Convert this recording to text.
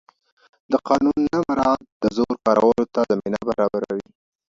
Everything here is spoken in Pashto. د قانون نه مراعت د زور کارولو ته زمینه برابروي